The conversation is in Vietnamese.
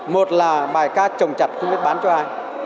một là bài ca trồng chặt không biết bán cho ai